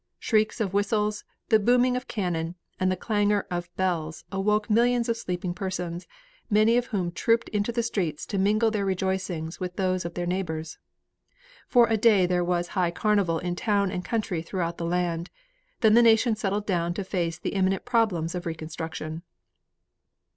Shrieks of whistles, the booming of cannon, and the clangor of bells, awoke millions of sleeping persons, many of whom trooped into the streets to mingle their rejoicings with those of their neighbors. For a day there was high carnival in town and country throughout the land, then the nation settled down to face the imminent problems of reconstruction.